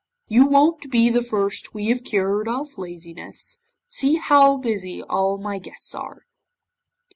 You won't be the first we have cured of laziness. See how busy all my guests are."